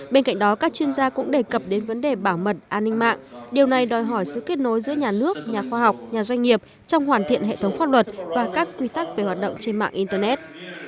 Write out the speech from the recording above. bên cạnh đó các chuyên gia cũng đề cập đến vấn đề bảo mật an ninh mạng điều này đòi hỏi sự kết nối giữa nhà nước nhà khoa học nhà doanh nghiệp trong hoàn thiện hệ thống pháp luật và các quy tắc về hoạt động trên mạng internet